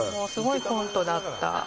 すごいコントだった。